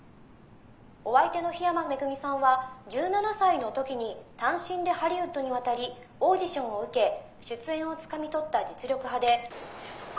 お相手の緋山恵さんは１７歳の時に単身でハリウッドに渡りオーディションを受け出演をつかみ取った実力派で」。